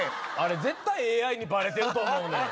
絶対ＡＩにバレてると思うねん。